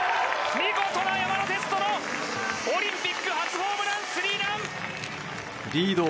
見事な山田哲人のオリンピック初ホームランスリーラン！